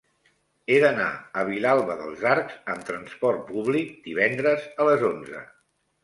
He d'anar a Vilalba dels Arcs amb trasport públic divendres a les onze.